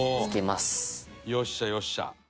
伊達：よっしゃ、よっしゃ。